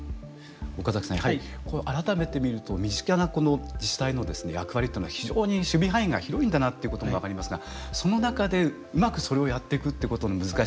岡崎さんやはり改めて見ると身近な自治体のですね役割というのは非常に守備範囲が広いんだなっていうことも分かりますがその中でうまくそれをやっていくってことの難しさ。